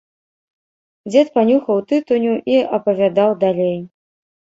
Дзед панюхаў тытуню і апавядаў далей.